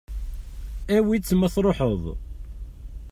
Awi-tt ma truḥeḍ.